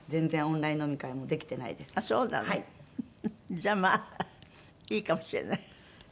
じゃあまあいいかもしれない。